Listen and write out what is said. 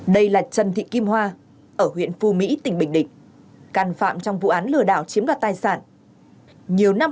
đây là trần thị kim hoa ở huyện phu mỹ tỉnh bình định căn phạm trong vụ án lừa đảo chiếm đoạt tài sản